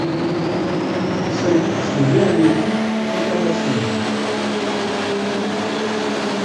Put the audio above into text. C'est son dernier titre international.